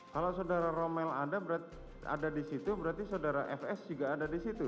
kalau saudara romel ada disitu berarti saudara fs juga ada disitu